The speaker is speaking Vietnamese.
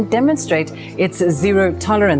muốn trả lời